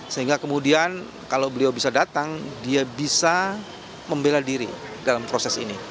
sehingga kemudian kalau beliau bisa datang dia bisa membela diri dalam proses ini